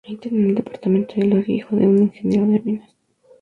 Étienne en el departamento de Loire, hijo de un ingeniero de minas.